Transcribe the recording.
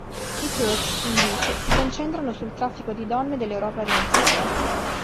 I "Turks", invece, si concentrano sul traffico di donne dell'Europa orientale.